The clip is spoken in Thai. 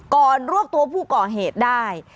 ก่อนลวกตัวผู้ก่อเหตุได้